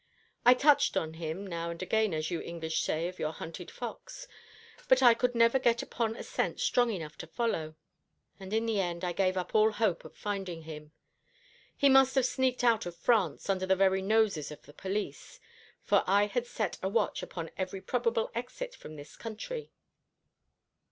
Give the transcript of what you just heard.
I 'touched on him' now and again, as you English say of your hunted fox, but I could never get upon a scent strong enough to follow; and in the end I gave up all hope of finding him. He must have sneaked out of France under the very noses of the police; for I had set a watch upon every probable exit from this country."